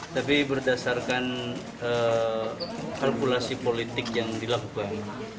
tapi berdasarkan kalkulasi politik yang dilakukan